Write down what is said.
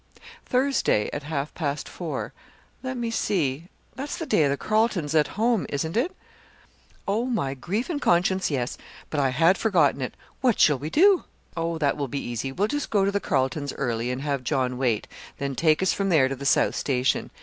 "Thursday, at half past four. Let me see that's the day of the Carletons' 'At Home,' isn't it?" "Oh, my grief and conscience, yes! But I had forgotten it. What shall we do?" "Oh, that will be easy. We'll just go to the Carletons' early and have John wait, then take us from there to the South Station.